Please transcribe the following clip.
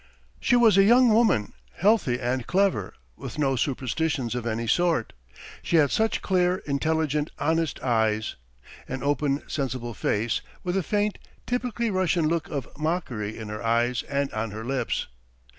She was a young woman, healthy and clever, with no superstitions of any sort. She had such clear, intelligent, honest eyes; an open, sensible face with a faint, typically Russian look of mockery in her eyes and on her lips.